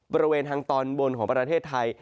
บริเวณทางตอนบนของประเทศไทย